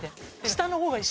下の方が。